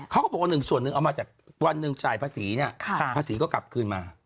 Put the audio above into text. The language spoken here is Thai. เขาก็บอกว่าหนึ่งส่วนหนึ่งเอามาจากวันหนึ่งจ่ายภาษีเนี่ยภาษีก็กลับคืนมา